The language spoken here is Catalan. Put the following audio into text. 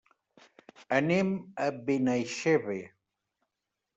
Anem a Benaixeve.